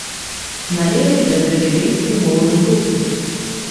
Належыць да дравідыйскай моўнай групы.